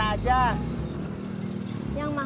yang mahal apa yang murah